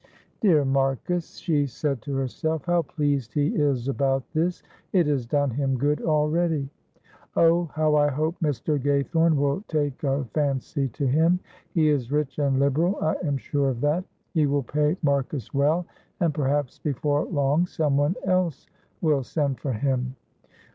"Dear Marcus," she said to herself; "how pleased he is about this, it has done him good already. Oh, how I hope Mr. Gaythorne will take a fancy to him; he is rich and liberal, I am sure of that; he will pay Marcus well, and perhaps before long someone else will send for him.